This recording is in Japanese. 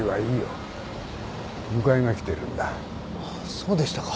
そうでしたか。